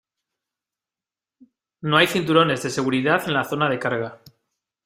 No hay cinturones de seguridad en la zona de carga.